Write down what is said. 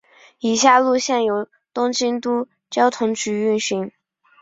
以下路线由东京都交通局运行。